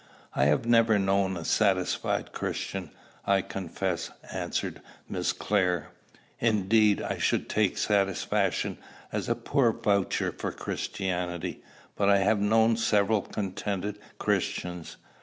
"I have never known a satisfied Christian, I confess," answered Miss Clare. "Indeed, I should take satisfaction as a poor voucher for Christianity. But I have known several contented Christians.